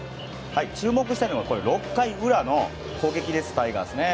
注目したいのは６回裏の攻撃です、タイガース。